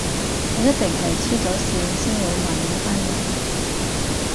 我一定係痴咗線先會問你班友